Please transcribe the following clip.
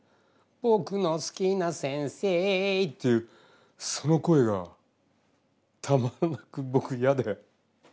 「ぼくの好きな先生」というその声がたまらなく僕嫌で。